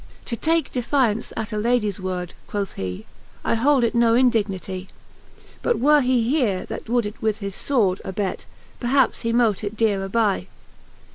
XXVIII. 'To take defiaunce at a Ladies word, Quoth he, I hold it no indignity, But were he here, that would it with his fwortl ^ Abett, perhaps he mote it deareaby.